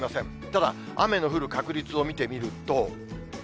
ただ、雨の降る確率を見てみると。